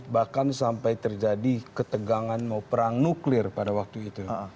bahkan sampai terjadi ketegangan mau perang nuklir pada waktu itu